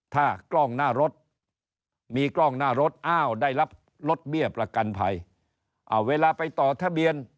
ถ้ากล้องหน้ารถมีกล้องหน้ารถอ้าวได้รับลดเบี้ยประกันภัยเวลาไปต่อทะเบียน